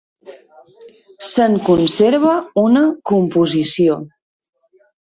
Se'n conserva una composició.